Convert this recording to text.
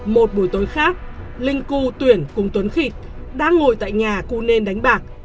một buổi tối khác linh cu tuyển cùng tuấn khịt đang ngồi tại nhà cunên đánh bạc